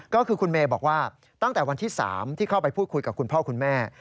ก็คือคุณเมย์บอกว่าตั้งแต่วันที่๓ที่เข้าไปพูดคุยกับคุณพ่อคุณแม่